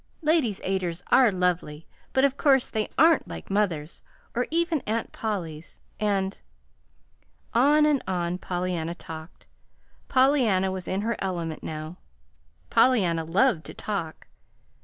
Ladies' Aiders are lovely, but of course they aren't like mothers, or even Aunt Pollys; and " On and on Pollyanna talked. Pollyanna was in her element now. Pollyanna loved to talk.